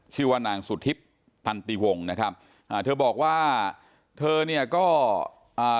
ชื่อว่านางสุทิพย์ตันติวงนะครับอ่าเธอบอกว่าเธอเนี่ยก็อ่า